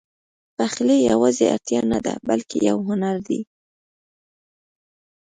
پخلی یواځې اړتیا نه ده، بلکې یو هنر دی.